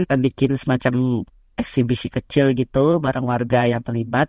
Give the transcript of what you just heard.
kita bikin semacam eksibisi kecil gitu bareng warga yang terlibat